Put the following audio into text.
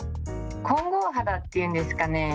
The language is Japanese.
混合肌っていうんですかね